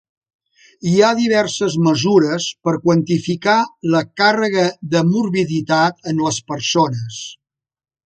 Hi ha diverses mesures per quantificar la càrrega de morbiditat en les persones.